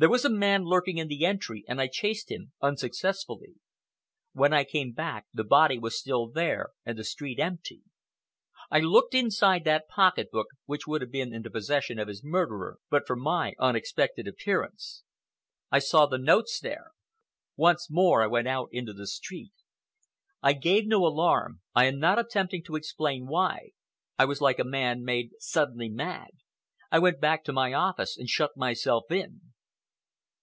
There was a man lurking in the entry and I chased him, unsuccessfully. When I came back, the body was still there and the street empty. I looked inside that pocket book, which would have been in the possession of his murderer but for my unexpected appearance. I saw the notes there. Once more I went out into the street. I gave no alarm,—I am not attempting to explain why. I was like a man made suddenly mad. I went back to my office and shut myself in."